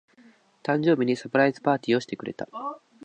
誕生日にサプライズパーティーをしてくれた。